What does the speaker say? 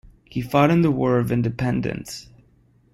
He fought in the War of Independence.